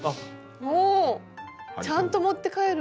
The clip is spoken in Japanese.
おちゃんと持って帰る。